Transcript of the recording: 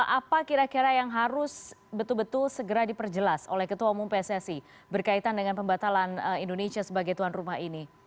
apa kira kira yang harus betul betul segera diperjelas oleh ketua umum pssi berkaitan dengan pembatalan indonesia sebagai tuan rumah ini